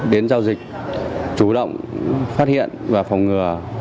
đến giao dịch chủ động phát hiện và phòng ngừa